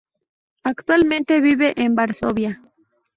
Actualmente vive en Varsovia.